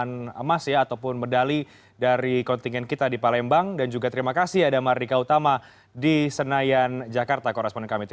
namun mereka tetap berjanji untuk dapat berikan target